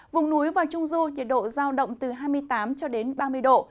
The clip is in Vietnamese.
vùng núi và trung du nhiệt độ giao động từ hai mươi tám ba mươi độ